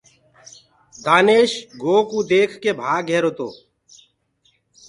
دآيش گو ڪوُ ديک ڪي ڀآگ رهيرو تو۔